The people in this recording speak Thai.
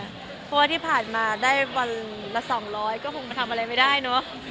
เพราะว่าที่ผ่านมาได้วันละ๒๐๐ก็คงทำอะไรไม่ได้เนอะ